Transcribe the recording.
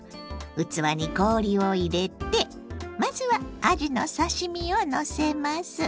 器に氷を入れてまずはあじの刺身をのせます。